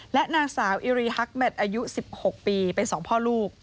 และนางสาวอิรีฮักแมทอายุ๑๖ปีเป็นสองพ่อลูก